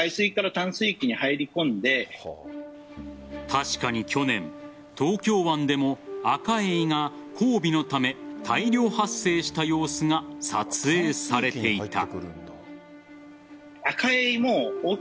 確かに去年、東京湾でもアカエイが交尾のため大量発生した様子が撮影されていた。